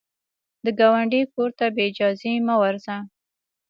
د ګاونډي کور ته بې اجازې مه ورځه